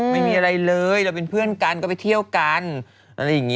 ไม่มีอะไรเลยเราเป็นเพื่อนกันก็ไปเที่ยวกัน